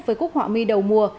với cúc họa mi đầu mùa